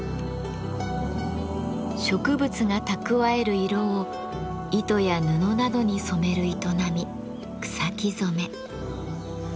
植物が蓄える色を糸や布などに染める営み「草木染め」。